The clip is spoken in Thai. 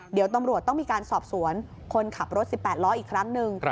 เดี๋ยวตำรวจต้องมีการสอบสวนคนขับรถ๑๘ล้ออีกครั้งหนึ่ง